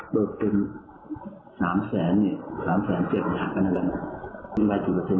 เบิดเต็มเบิดเต็ม